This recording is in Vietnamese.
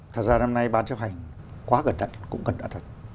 thật ra năm nay bán chấp hành quá cẩn thận cũng cẩn thận thật